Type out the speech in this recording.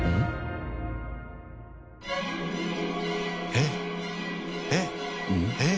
えっ？えっ？えっ？